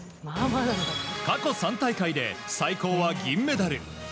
過去３大会で最高は銀メダル。